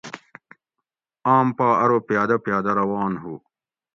آم پا ارو پیادہ پیادہ روان ہو